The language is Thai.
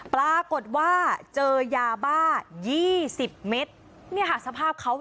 ปรากฏว่าเจอยาบ้ายี่สิบเมตรเนี่ยค่ะสภาพเขา